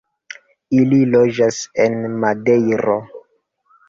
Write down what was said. Ili loĝas en Madejro.